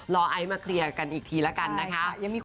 ไอซ์มาเคลียร์กันอีกทีละกันนะคะ